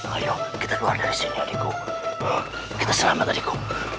ayo kita keluar dari sini adikku kita selamat dariku